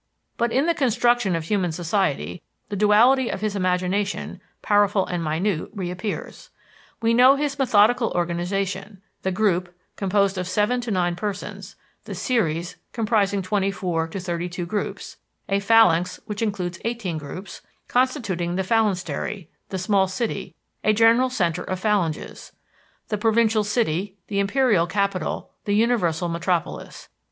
But in the construction of human society, the duality of his imagination powerful and minute reappears. We know his methodical organization: the group, composed of seven to nine persons; the series, comprising twenty four to thirty two groups; a phalanx that includes eighteen groups, constituting the phalanstery; the small city, a general center of phalanges; the provincial city, the imperial capital, the universal metropolis.